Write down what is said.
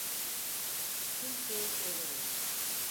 Kimseye söylemeyiz.